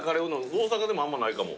大阪でもあんまないかも。